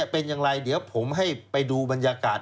เป็นอย่างไรเดี๋ยวผมให้ไปดูบรรยากาศ